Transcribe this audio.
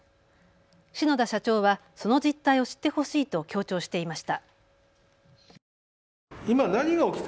篠田社長はその実態を知ってほしいと強調していました。